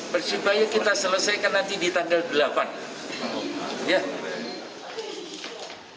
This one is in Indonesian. persebaya kita selesaikan nanti di tanggal delapan